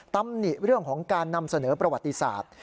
ตำหนิเรื่องของการนำเสนอประวัติศาสตร์